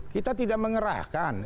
kita tidak mengerahkan